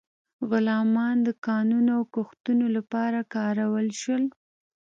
غلامان د کانونو او کښتونو لپاره کارول شول.